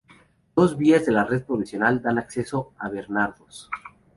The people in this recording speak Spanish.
Dos vías de la red provincial dan acceso a Bernardos.